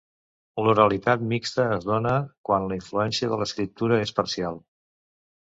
L'oralitat mixta es dóna quan la influència de l'escriptura és parcial.